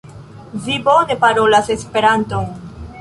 Vi bone parolas Esperanton.